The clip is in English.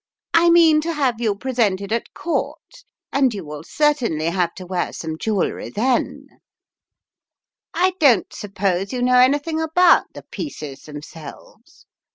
I mean to have you presented at Court, and you will certainly have to wear some jewellery then. I The Cry in the Night 00 don't suppose you know anything about the pieces themselves.